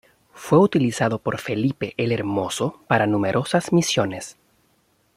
Fue utilizado por Felipe el Hermoso para numerosas misiones.